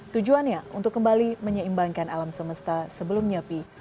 tujuannya untuk kembali menyeimbangkan alam semesta sebelum nyepi